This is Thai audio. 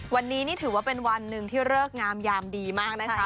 วันนี้นี่ถือว่าเป็นวันหนึ่งที่เลิกงามยามดีมากนะคะ